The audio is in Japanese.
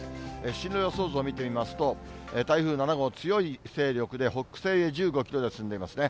進路予想図を見てみますと、台風７号、強い勢力で北西へ１５キロで進んでいますね。